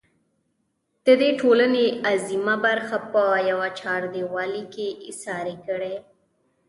د دې ټـولنې اعظـيمه بـرخـه پـه يـوه چـارديـوالي کـې اېـسارې کـړي.